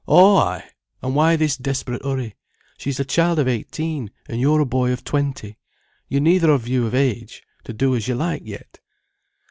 "Oh ay!—And why this desperate hurry? She's a child of eighteen, and you're a boy of twenty. You're neither of you of age to do as you like yet."